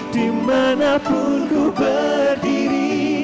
dimana pun ku berdiri